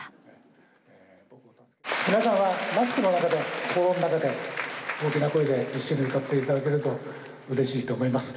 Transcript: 皆さんはマスクの中で心の中で大きな声で一緒に歌っていただけるとうれしいと思います。